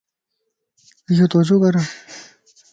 ايوَ تو جو گھر؟